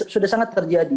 sudah sangat terjadi